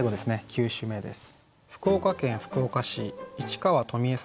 ９首目です。